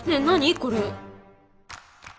これ。